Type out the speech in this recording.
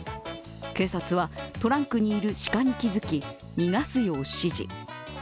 警察はトランクにいる鹿に気付き逃がすよう指示。